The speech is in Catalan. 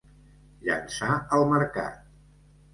Llançar al mercat.